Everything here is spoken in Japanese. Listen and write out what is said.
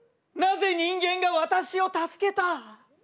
なぜ人間が私を助けた？